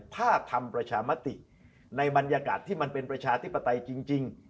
ถ้าทำประชามติในบรรยากาศที่มันเป็นประชาธิปไตยจริง